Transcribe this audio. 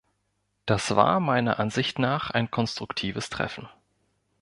Das war meiner Ansicht nach ein konstruktives Treffen.